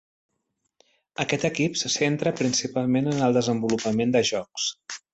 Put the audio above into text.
Aquest equip se centra principalment en el desenvolupament de jocs.